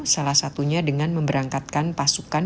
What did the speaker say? salah satunya dengan memberangkatkan pasukan